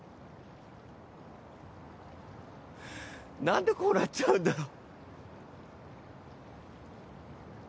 何でこうなっちゃうんだろ。